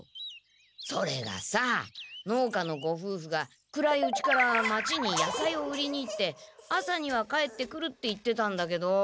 それがさ農家のごふうふが暗いうちから町にやさいを売りに行って朝には帰ってくるって言ってたんだけど。